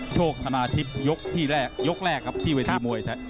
โชคธนาทิพย์ยกแรกครับที่เวทีมวย